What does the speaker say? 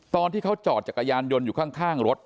ตอนที่เขาจอดจักรยานยนต์อยู่ข้างรถ